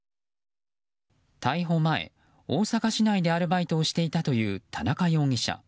逮捕前、大阪市内でアルバイトをしていたという田中容疑者。